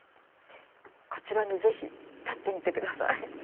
こちらにぜひ立ってみてください。